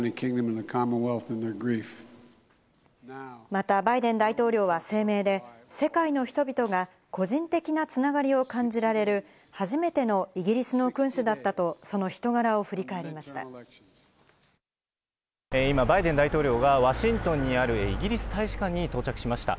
またバイデン大統領は声明で、世界の人々が個人的な繋がりを感じられる初めてのイギリスの君主だったと、その人柄を振り返りました。